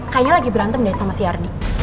kayaknya lagi berantem deh sama si ardi